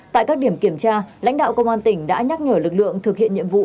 tại các điểm kiểm tra lãnh đạo công an tỉnh đã nhắc nhở lực lượng thực hiện nhiệm vụ